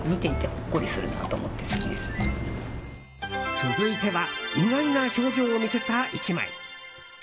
続いては意外な表情を見せた１枚。